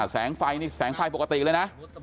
แสงไฟนี่แสงไฟปกติเลยนะ